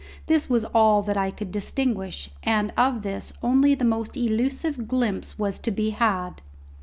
This was all that I could distinguish, and of this only the most elusive glimpse was to be had.